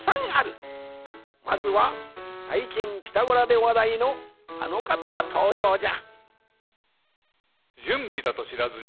まずはさいきん「ピタゴラ」でわだいのあのかたがとうじょうじゃ。